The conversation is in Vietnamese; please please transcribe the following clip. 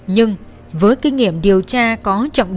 nhưng với kinh tế đối tượng truy tìm hùng thủ là một cuộc truy tìm hùng thủ